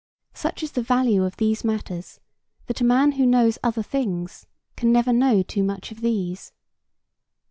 Such is the value of these matters that a man who knows other things can never know too much of these.